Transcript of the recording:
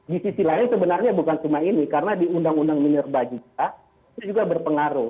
di sisi lain sebenarnya bukan cuma ini karena di undang undang minerba juga itu juga berpengaruh